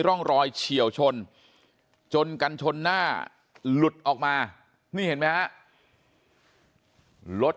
ร่องรอยเฉียวชนจนกันชนหน้าหลุดออกมานี่เห็นไหมฮะรถ